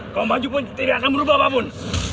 kau maju pun tidak akan berubah pun